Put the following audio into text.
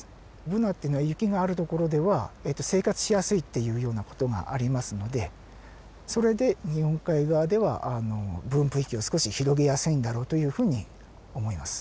ブナっていうのは雪がある所では生活しやすいっていうような事がありますのでそれで日本海側ではあの分布域を少し広げやすいんだろうというふうに思います。